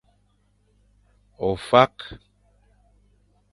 Ofak.